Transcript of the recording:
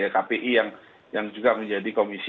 kpi yang juga menjadi komisi